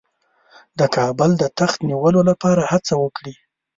د کابل د تخت د نیولو لپاره هڅه وکړي.